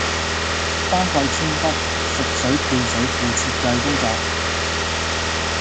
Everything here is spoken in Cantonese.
丹桂村北食水配水庫設計工作